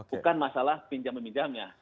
bukan masalah pinjam meminjamnya